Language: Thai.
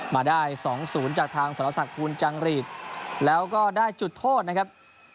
มาได้สองศูนย์จากทางสรษะภูนิจังหรีกแล้วก็ได้จุดโทษนะครับ